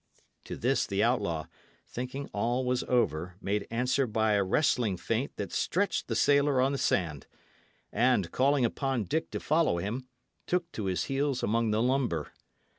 To this the outlaw, thinking all was over, made answer by a wrestling feint that stretched the sailor on the sand, and, calling upon Dick to follow him, took to his heels among the lumber.